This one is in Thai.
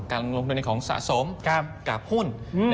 ลงทุนในของสะสมกับหุ้น